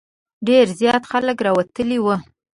ډېر زیات خلک راوتلي وو.